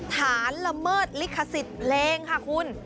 ละเมิดลิขสิทธิ์เพลงค่ะคุณ